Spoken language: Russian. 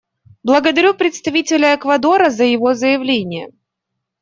Благодарю представителя Эквадора за его заявление.